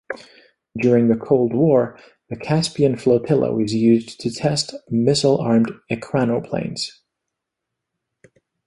During the Cold War the Caspian Flotilla was used to test missile armed ekranoplanes.